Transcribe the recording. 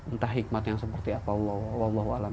entah hikmat yang seperti apa allah allah allah allah